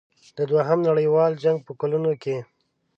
د دوهم نړیوال جنګ په کلونو کې.